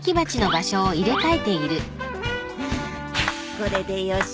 フウこれでよし。